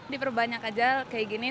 diperbanyak aja kayak gini